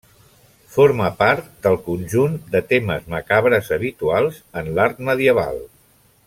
Forma part del conjunt de temes macabres habituals en l'art medieval.